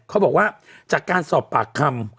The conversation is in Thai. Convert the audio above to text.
เขาบอกว่าอยากจะสอบปากคำ